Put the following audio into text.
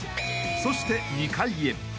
［そして２階へ。